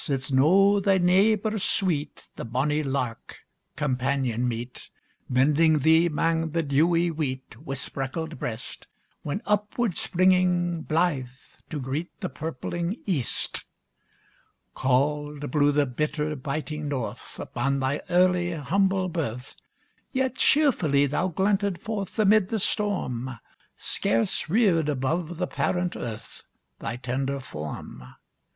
it's no thy neebor sweet, The bonnie lark, companion meet! Bending thee 'mang the dewy weet, Wi' spreckled breast, When upward springing, blithe, to greet The purpling east. Cauld blew the bitter biting north Upon thy early, humble birth, Yet cheerfully thou glinted forth Amid the storm, Scarce reared above the parent earth Thy tender form.